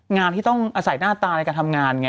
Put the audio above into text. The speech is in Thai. งานที่ต้องอาศัยหน้าตาในการทำงานไง